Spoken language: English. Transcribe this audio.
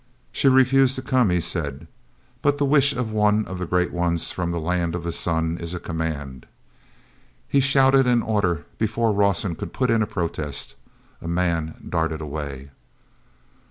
"She refused to come," he said. "But the wish of one of the great ones from the Land of the Sun is a command." He shouted an order before Rawson could put in a protest. A man darted away.